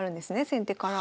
先手から。